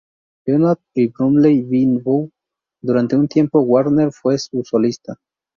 Leonard, en Bromley-by-Bow y, durante un tiempo, Warner fue su solista.